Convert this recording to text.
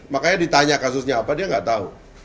makanya ditanya kasusnya apa dia nggak tahu